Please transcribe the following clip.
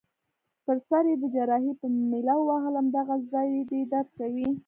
پر سر يي د جراحۍ په میله ووهلم: دغه ځای دي درد کوي؟